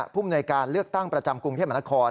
ผู้มนวยการเลือกตั้งประจำกรุงเทพมนาคม